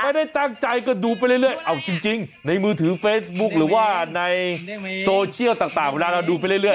ไม่ได้ตั้งใจก็ดูไปเรื่อยเอาจริงในมือถือเฟซบุ๊คหรือว่าในโซเชียลต่างเวลาเราดูไปเรื่อย